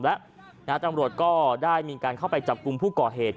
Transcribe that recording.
และตำรวจก็ได้มีการเข้าไปจับกลุ่มผู้ก่อเหตุ